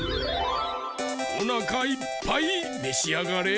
おなかいっぱいめしあがれ！